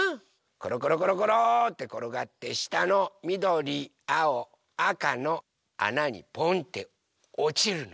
ころころころころってころがってしたのみどりあおあかのあなにポンっておちるの。